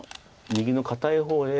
右の堅い方へ。